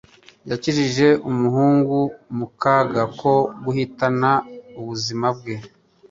Yakijije umuhungu mu kaga ko guhitana ubuzima bwe.